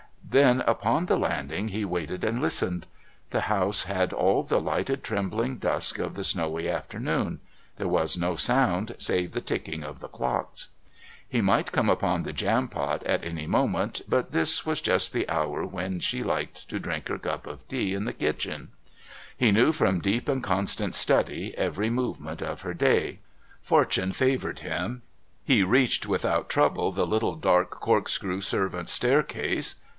Then upon the landing he waited and listened. The house had all the lighted trembling dusk of the snowy afternoon; there was no sound save the ticking of the clocks. He might come upon the Jampot at any moment, but this was just the hour when she liked to drink her cup of tea in the kitchen; he knew from deep and constant study every movement of her day. Fortune favoured him. He reached without trouble the little dark corkscrew servants' staircase.